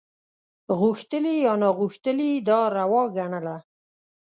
غوښتلي یا ناغوښتلي یې دا روا ګڼله.